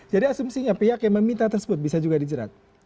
jadi asumsinya pihak yang meminta tersebut bisa juga dijerat